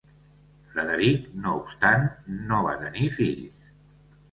Frederic no obstant no va tenir fills.